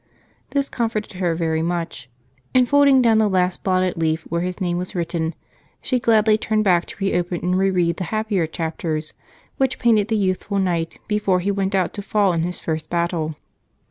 This comforted her very much, and folding down the last blotted leaf where his name was written, she gladly turned back to reopen and reread the happier chapters which painted the youthful knight before he went out to fall in his first battle.